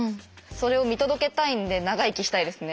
それを見届けたいんで長生きしたいですね。